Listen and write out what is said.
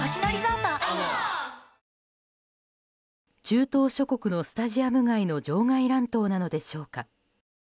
中東諸国のスタジアム外の場外乱闘なのでしょうか。